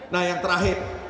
nah yang terakhir